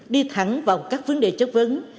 đi thẳng vào các vấn đề chất vấn